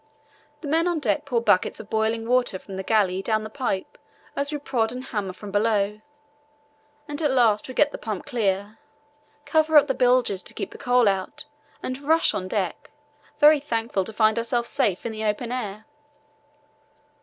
The men on deck pour buckets of boiling water from the galley down the pipe as we prod and hammer from below, and at last we get the pump clear, cover up the bilges to keep the coal out, and rush on deck, very thankful to find ourselves safe again in the open air."